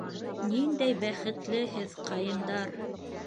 Ниндәй бәхетле һеҙ, ҡайындар!